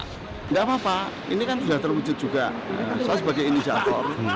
tidak apa apa ini kan sudah terwujud juga saya sebagai inisiator